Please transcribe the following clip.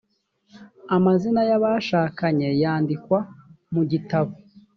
amazina y’ abashakanye yandikwa mugitabo.